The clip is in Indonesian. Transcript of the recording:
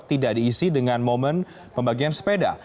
tidak diisi dengan momen pembagian sepeda